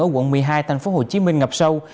ở quận một mươi hai tp hcm ngập sâu